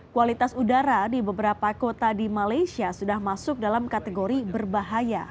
kualitas udara di beberapa kota di malaysia sudah masuk dalam kategori berbahaya